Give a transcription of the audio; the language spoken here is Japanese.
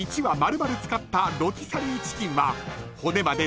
羽丸々使ったロティサリーチキンは］